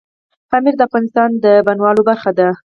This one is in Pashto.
پامیر د افغانستان د بڼوالۍ برخه ده.